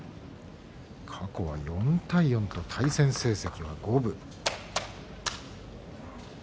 過去は４対４と対戦成績は五分。